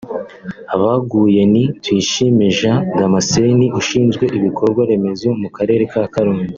Abeguye ni Tuyishime Jean Damascene ushinzwe ibikorwa remezo mu karere ka Karongi